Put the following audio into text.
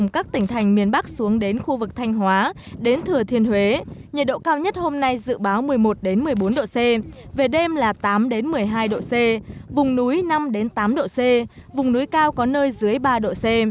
cảnh báo một mươi một một mươi bốn độ c về đêm là tám một mươi hai độ c vùng núi năm tám độ c vùng núi cao có nơi dưới ba độ c